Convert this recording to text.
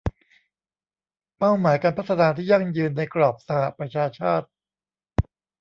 เป้าหมายการพัฒนาที่ยั่งยืนในกรอบสหประชาชาติ